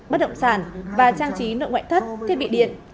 bất động sản và trang trí nội ngoại thất thiết bị điện